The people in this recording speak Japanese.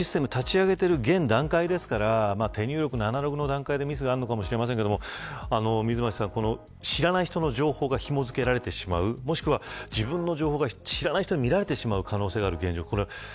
今回システムを立ち上げている段階ですから手入力のアナログの段階でミスがあるかもしれませんが知らない人の情報がひも付けられてしまう、もしくは自分の情報が他人に見られてしまう可能性がある。